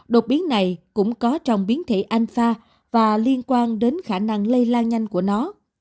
đột biến này cũng có trong biến thể anh pha và liên quan đến khả năng lây lan nhanh của nó